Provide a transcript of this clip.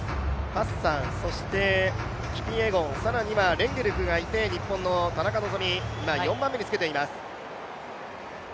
ハッサン、そしてキピエゴンレンゲルクがいて、日本の田中希実、今、４番目につけています。